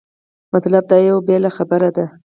مطلب دا یوه بېله خبره ده.